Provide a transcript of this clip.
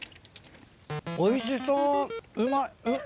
おいしそううまん？